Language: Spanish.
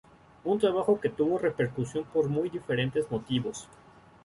Un trabajo que tuvo repercusión por muy diferentes motivos.